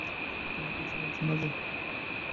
তুমি কিছু বলছ না যে?